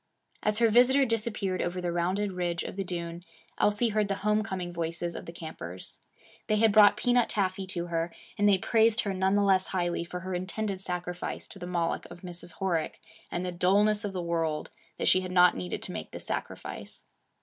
As her visitor disappeared over the rounded ridge of the dune, Elsie heard the home coming voices of the campers. They had brought peanut taffy to her, and they praised her none the less highly for her intended sacrifice to the Moloch of Mrs. Horick and the dullness of the world that she had not needed to make this sacrifice.